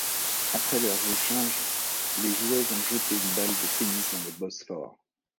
Après leurs échanges, les joueuses ont jeté une balle de tennis dans le Bosphore.